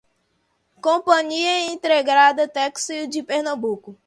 Companhia Integrada Têxtil de Pernambuco